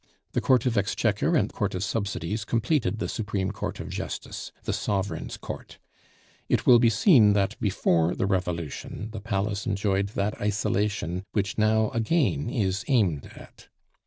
The Court of Exchequer and Court of Subsidies completed the Supreme Court of Justice, the Sovereign's Court. It will be seen that before the Revolution the Palace enjoyed that isolation which now again is aimed at.